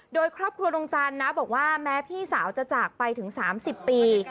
โดยครอบครัวดวงจันทร์นะบอกว่าแม้พี่สาวจะจากไปถึง๓๐ปี